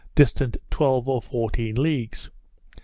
distant twelve or fourteen leagues.